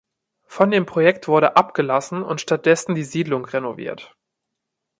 Von dem Projekt wurde abgelassen und stattdessen die Siedlung renoviert.